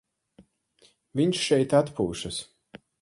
Viņš šeit atpūšas.